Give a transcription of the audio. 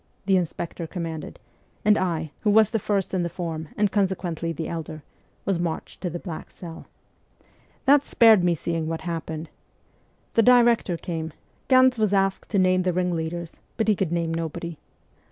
' the inspector commanded ; and I, who was the first in the form, and consequently the elder, was marched to the black cell. That spared me seeing what followed. The director came ; Ganz was asked to name the ringleaders, but he could name nobody.